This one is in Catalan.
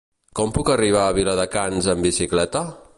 Com puc arribar a Viladecans amb bicicleta?